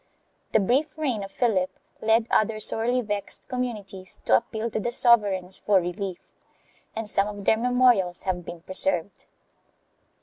The brief reign of Philip led other sorely vexed communities to appeal to the sovereigns for relief, and some of their memorials have been preserved.